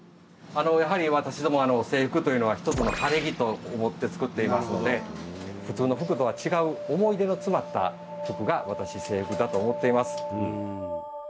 やはり私ども制服というのは一つの晴れ着と思って作っていますので普通の服とは違う思い出の詰まった服が私制服だと思っています。